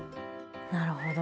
なるほど。